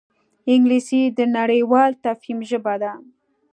انګلیسي د نړیوال تفهیم ژبه ده